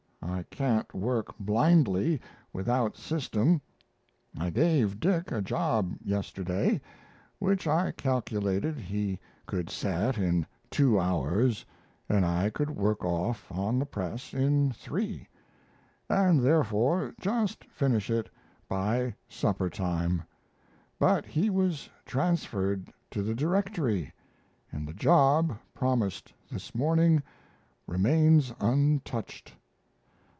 I can't work blindly without system. I gave Dick a job yesterday, which I calculated he could set in two hours and I could work off on the press in three, and therefore just finish it by supper time, but he was transferred to the Directory, and the job, promised this morning, remains untouched.